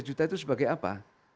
delapan puluh tiga juta itu sebagai apa